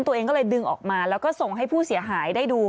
ตัวเองก็เลยดึงออกมาแล้วก็ส่งให้ผู้เสียหายได้ดู